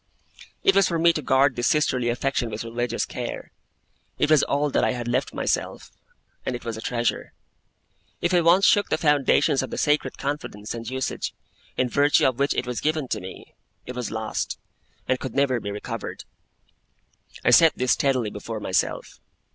It was for me to guard this sisterly affection with religious care. It was all that I had left myself, and it was a treasure. If I once shook the foundations of the sacred confidence and usage, in virtue of which it was given to me, it was lost, and could never be recovered. I set this steadily before myself.